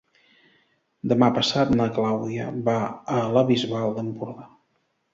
Demà passat na Clàudia va a la Bisbal d'Empordà.